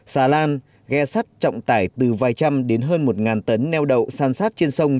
xà lan ghe sắt trọng tải từ vài trăm đến hơn một tấn neo đậu san sát trên sông